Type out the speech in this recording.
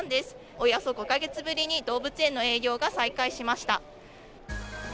およそ５か月ぶりに動物園の営業が再開しました。